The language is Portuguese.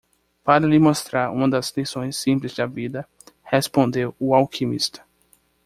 "Para lhe mostrar uma das lições simples da vida?", respondeu o alquimista.